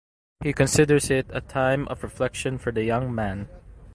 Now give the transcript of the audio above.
He considers it a time of reflection for the young man.